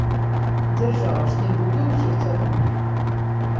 Дзяржава ж не будзе ўсіх цягнуць.